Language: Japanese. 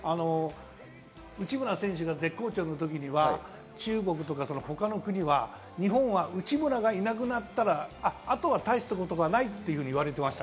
内村選手が絶好調の時は中国とか他の国は日本は内村がいなくなったらあとは大したことはないって言われてました。